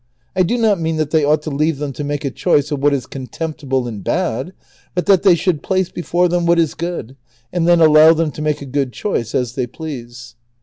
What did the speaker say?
I do not mean that they ought to leave them to make a choice of what is contemptible and bad, but that they should place before them what is good and then allow them to make a good choice as they please.